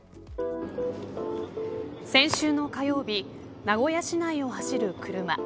先週の火曜日名古屋市内を走る車。